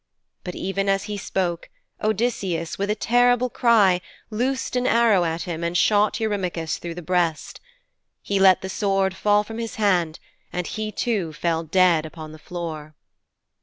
But even as he spoke Odysseus, with a terrible cry, loosed an arrow at him and shot Eurymachus through the breast. He let the sword fall from his hand, and he too fell dead upon the floor.